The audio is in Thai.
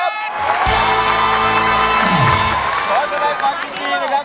ร้อนสไตล์ความดีนะครับ